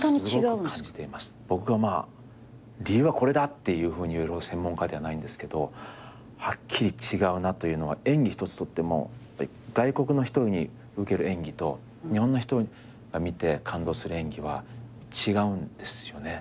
僕が理由はこれだっていうふうに言えるほど専門家ではないんですけどはっきり違うなというのは演技一つとっても外国の人に受ける演技と日本の人が見て感動する演技は違うんですよね。